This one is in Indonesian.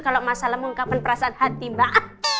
kalau masalah mengungkapkan perasaan hati mbak